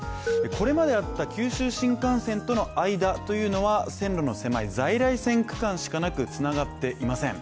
これまであった九州新幹線との間というのは、線路の狭い在来線区間しかなくつながっていません。